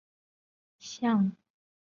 北宋朱彧将双陆称为象棋。